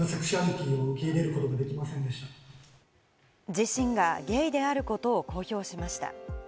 自身がゲイであることを公表しました。